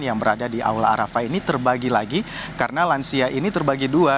yang berada di aula arafah ini terbagi lagi karena lansia ini terbagi dua